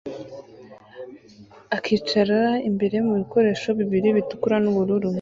akicara imbere mu bikoresho bibiri bitukura n'ubururu